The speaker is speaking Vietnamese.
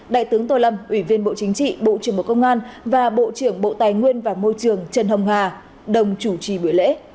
đại tướng tô lâm ủy viên bộ chính trị bộ trưởng bộ công an và bộ trưởng bộ tài nguyên và môi trường trần hồng hà đồng chủ trì buổi lễ